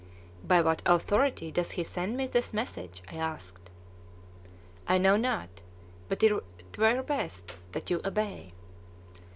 "By what authority does he send me this message?" I asked. "I know not; but it were best that you obey."